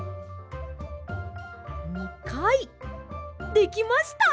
できました！